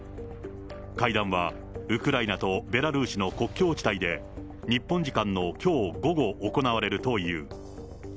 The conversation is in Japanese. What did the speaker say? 会談は、ウクライナとベラルーシの国境地帯で、日本時間のきょう午後、行われるという。